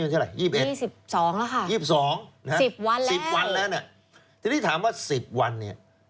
๑๒แล้วค่ะภัยศิษฐศิษฐ์๑๒๑๐วันแล้วนะนั่น่ะจนทีนี้ถามว่า๑๐วันนี่